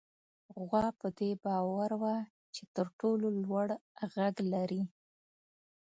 غوا په دې باور وه چې تر ټولو لوړ غږ لري.